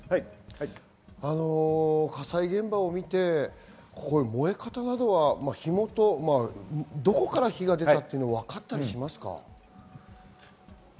火災現場を見て燃え方などはどこから火が出たって分かったりしますか？